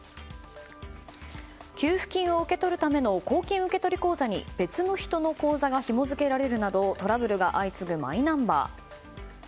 給付金を受け取るための公金受取口座に別の人の口座がひも付けられるなどトラブルが相次ぐマイナンバー。